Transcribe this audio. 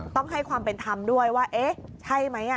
ต้องให้ความเป็นธรรมด้วยว่าเอ๊ะใช่ไหม